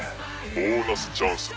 ボーナスチャンスだ。